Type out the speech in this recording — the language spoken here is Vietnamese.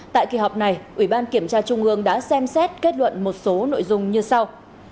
tại kỳ họp này ủy ban kiểm tra trung ương đã xem xét kết luận một số nội dung như sau